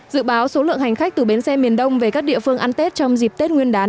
dự báo số lượng hành khách từ bến xe miền đông về các địa phương ăn tết trong dịp tết nguyên đán